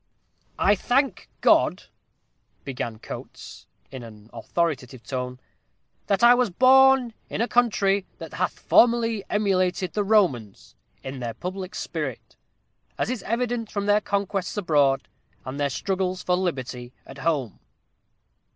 "'I thank God,'" began Coates, in an authoritative tone, "'that I was born in a country that hath formerly emulated the Romans in their public spirit; as is evident from their conquests abroad, and their struggles for liberty at home.'"